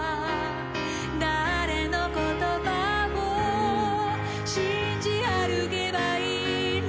「誰の言葉を信じ歩けばいいの？」